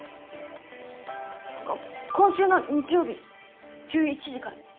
こ今週の日曜日１１時から。